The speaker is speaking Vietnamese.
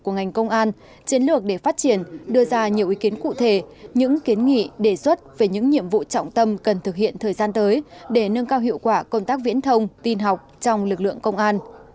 của ngành công an chiến lược để phát triển đưa ra nhiều ý kiến cụ thể những kiến nghị đề xuất về những nhiệm vụ trọng tâm cần thực hiện thời gian tới để nâng cao hiệu quả công tác viễn thông tin học trong lực lượng công an